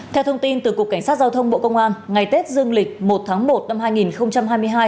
theo thông tin từ cục cảnh sát giao thông bộ công an ngày tết dương lịch một tháng một năm hai nghìn hai mươi hai